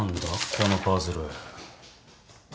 このパズル。